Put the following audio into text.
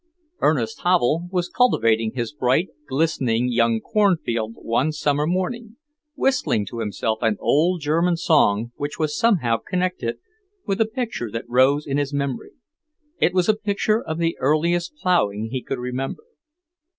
IV Ernest Havel was cultivating his bright, glistening young cornfield one summer morning, whistling to himself an old German song which was somehow connected with a picture that rose in his memory. It was a picture of the earliest ploughing he could remember.